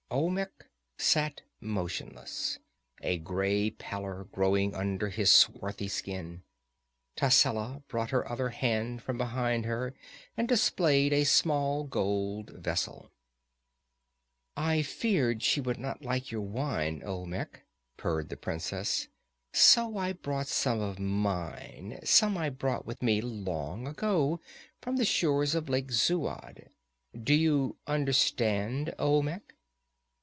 Olmec sat motionless, a gray pallor growing under his swarthy skin. Tascela brought her other hand from behind her and displayed a small gold vessel. "I feared she would not like your wine, Olmec," purred the princess, "so I brought some of mine, some I brought with me long ago from the shores of Lake Zuad do you understand, Olmec?"